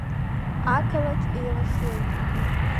Ақалақь еилашуеит.